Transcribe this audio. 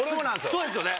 そうですよね。